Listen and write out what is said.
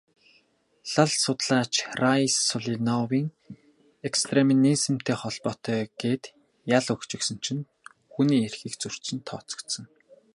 Лал судлаач Райс Сулеймановыг экстремизмтэй холбоотой гээд ял өгчихсөн чинь хүний эрхийг зөрчсөнд тооцогдсон.